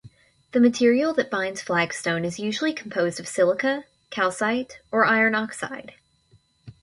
The material that binds flagstone is usually composed of silica, calcite, or iron oxide.